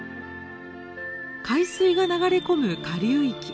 海水が流れ込む下流域。